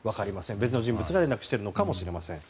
別の人物が連絡しているのかもしれません。